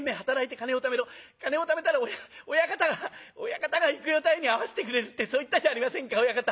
金をためたら親方が親方が幾代太夫に会わせてくれる』ってそう言ったじゃありませんか親方。